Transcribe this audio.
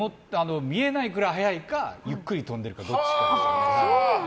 見えないくらい速いかゆっくり飛んでいくかどっちかです。